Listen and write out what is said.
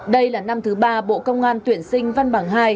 đây là năm thứ ba bộ công an tuyển sinh văn bằng hai